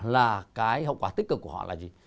là cái hậu quả tích cực của họ là gì